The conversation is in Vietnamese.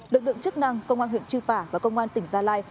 lực lượng chức năng công an huyện chư pả và công an tỉnh gia lai